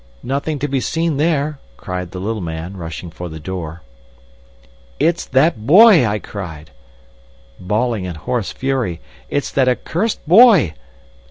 "Nothing to be seen there," cried the little man, rushing for the door. "It's that boy!" I cried, bawling in hoarse fury; "it's that accursed boy!"